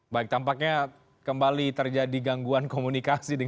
baik tampaknya kembali terjadi gangguan komunikasi